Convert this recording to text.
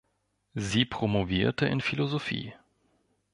Sie promovierte in Philosophie.